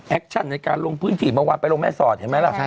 ชั่นในการลงพื้นที่เมื่อวานไปลงแม่สอดเห็นไหมล่ะ